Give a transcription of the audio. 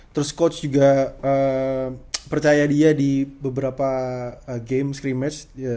terus coach juga percaya dia di beberapa game scrimmage